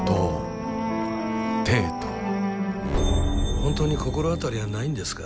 本当に心当たりはないんですか？